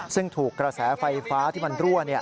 ซึ่งถูกกระแสไฟฟ้าที่มันรั่ว